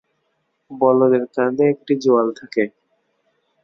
বলদের কাঁধে একটি জোয়াল থাকে।